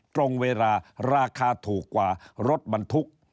ตรงเวลาราคาถูกกว่ารถบรรทุก